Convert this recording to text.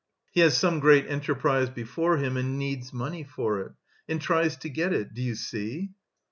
He has some great enterprise before him and needs money for it... and tries to get it... do you see?"